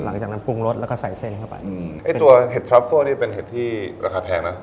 หลังจากนั้นปรุงรสแล้วก็ใส่เส้นเข้าไปอืมไอ้ตัวเห็ดทรัฟโซ่นี่เป็นเห็ดที่ราคาแพงนะ